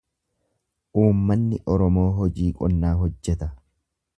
Uummanni Oromoo hojii qonnaa hojjeta.